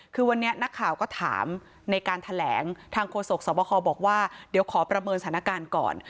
คือวันนี้นักข่าวก็ถามในการแถลงทางโฆษกสวบคบอกว่าเดี๋ยวขอประเมินสถานการณ์ก่อน